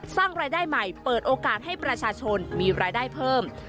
สร้างรายได้ใหม่เปิดโอกาสให้ประชาชนมีรายได้เพิ่ม